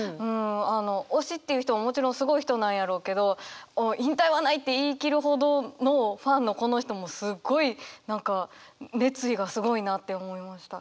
推しっていう人ももちろんすごい人なんやろうけど「引退はない」って言い切るほどのファンのこの人もすごい何か熱意がすごいなって思いました。